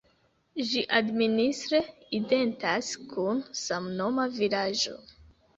Ĝi administre identas kun samnoma vilaĝo.